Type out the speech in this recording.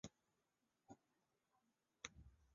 当时的伊拉克童军倡议委员会领导。